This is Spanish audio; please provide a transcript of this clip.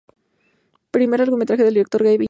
Primer largometraje del director Gabe Ibáñez.